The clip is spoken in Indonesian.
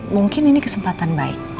mungkin ini kesempatan baik